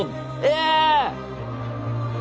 え！